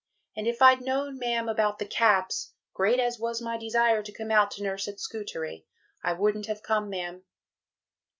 And if I'd known, Ma'am, about the Caps, great as was my desire to come out to nurse at Scutari, I wouldn't have come, Ma'am.